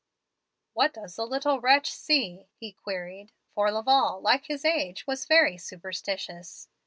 "'What does the little wretch see?' he queried, for Laval, like his age, was very superstitious.